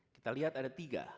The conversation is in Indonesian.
kita lihat ada tiga